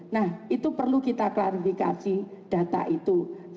nah itu perlu kita klarifikasi data itu